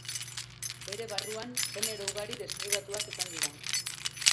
Bere barruan genero ugari deskribatuak izan dira.